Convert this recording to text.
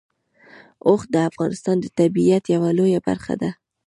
اوښ د افغانستان د طبیعت یوه لویه برخه ده.